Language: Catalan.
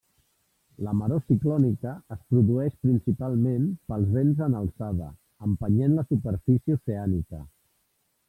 La maror ciclònica es produeix principalment pels vents en alçada, empenyent la superfície oceànica.